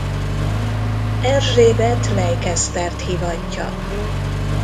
Erzsébet Leicestert hívatja.